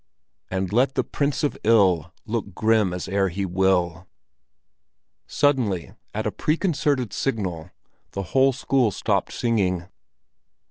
"And let the prince of ill Look grim as e'er he will,"— Suddenly, at a preconcerted signal, the whole school stopped singing.